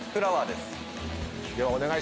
ではお願いします。